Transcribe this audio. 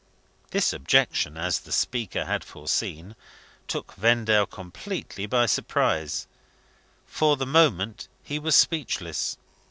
The objection, as the speaker had foreseen, took Vendale completely by surprise. For the moment he was speechless.